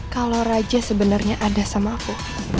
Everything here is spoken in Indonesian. kalau raja sebenarnya ada sama aku